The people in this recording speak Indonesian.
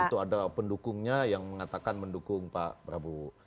itu ada pendukungnya yang mengatakan mendukung pak prabowo